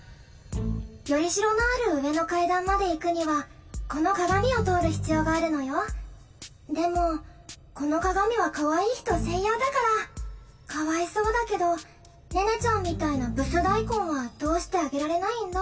依代のある上の階段まで行くにはこの鏡を通る必要があるのよでもこの鏡はかわいい人専用だからかわいそうだけど寧々ちゃんみたいなブス大根は通してあげられないんだ